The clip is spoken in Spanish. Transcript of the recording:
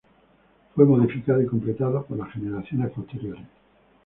Fue modificado y completado por las generaciones posteriores.